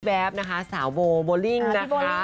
แบบนะคะสาวโบโบลิ่งนะคะ